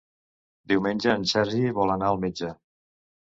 Diumenge en Sergi vol anar al metge.